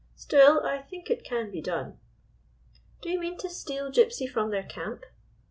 Still, I think it can be done." " Do you mean to steal Gypsy from their camp?"